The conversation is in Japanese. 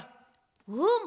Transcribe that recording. うん。